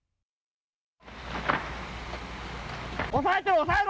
押さえろ！